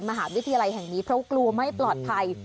มหาวิทยาลัยแห่งนี้เพราะกลัวไม่ปลอดภัย